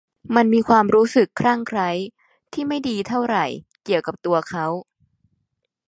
มันมีความรู้สึกคลั่งไคล้ที่ไม่ดีเท่าไหร่เกี่ยวกับตัวเขา